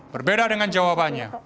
berbeda dengan jawabannya